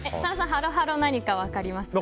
ハロハロ、何か分かります？